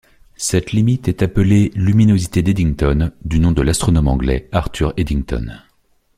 Cette limite est appelée luminosité d'Eddington, du nom de l'astronome anglais Arthur Eddington.